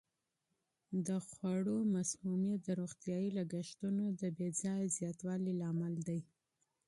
د خوړو مسمومیت د روغتیايي لګښتونو د بې ځایه زیاتوالي لامل دی.